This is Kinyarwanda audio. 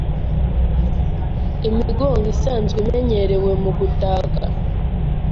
Imigongo isanzwe imenyerewe mu gutaka